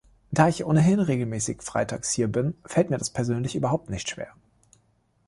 Da ich ohnehin regelmäßig freitags hier bin, fällt mir das persönlich überhaupt nicht schwer.